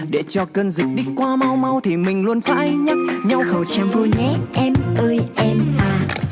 để cho cơn dịch đi qua mau mau thì mình luôn phải nhắc nhau khẩu trang vô nhé em ơi em à